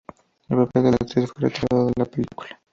El papel de la actriz fue retirado de la película.